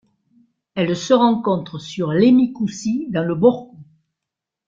Elle se rencontre sur l'Emi Koussi dans le Borkou.